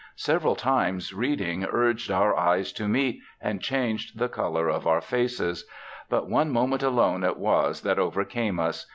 Several times reading urged our eyes to meet, and changed the color of our faces. But one moment alone it was that overcame us.